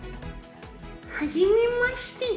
はじめまして！